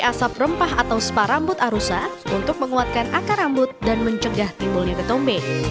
asap rempah atau spa rambut arusa untuk menguatkan akar rambut dan mencegah timbulnya ketombe